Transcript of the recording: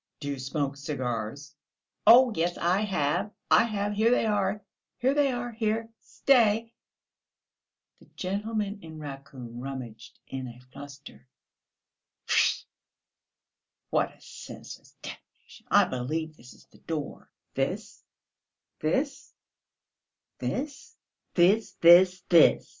"Do you smoke cigars?" "Oh, yes, I have, I have; here they are, here they are; here, stay...." The gentleman in raccoon rummaged in a fluster. "Tfoo, what a senseless ... damnation! I believe this is the door...." "This, this, this?" "This, this, this...